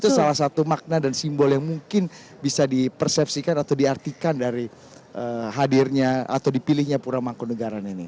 itu salah satu makna dan simbol yang mungkin bisa di persepsikan atau di artikan dari hadirnya atau dipilihnya pura mangku negara ini